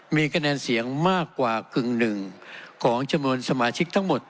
มีคะแนนเสียงมากกว่ากึ่งหนึ่งของจำนวนสมาชิกทั้งหมด